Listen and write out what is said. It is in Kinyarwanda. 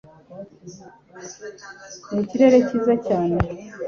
ni ikirere cyiza cyane